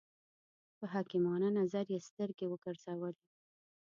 په حکیمانه نظر یې سترګې وګرځولې.